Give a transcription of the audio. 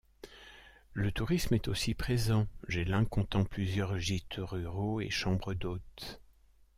Le tourisme est aussi présent, Gellin comptant plusieurs gîtes ruraux et chambres d’hôtes.